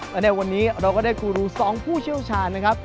และในวันนี้เราก็ได้ครูรู๒ผู้เชี่ยวชาญนะครับ